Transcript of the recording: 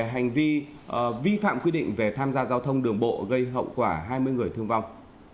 hành vi vi phạm quy định về tham gia giao thông đường bộ gây hậu quả hai mươi người thương vong